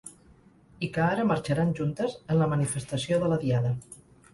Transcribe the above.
I que ara marxaran juntes en la manifestació de la Diada.